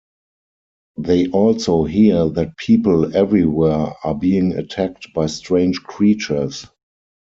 They also hear that people everywhere are being attacked by strange creatures.